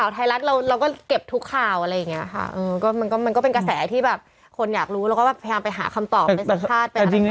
ไทรรัตน์ที่โชว์เขาก็เล่น